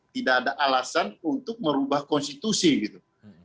tidak ada alasan untuk merubah konstitusi gitu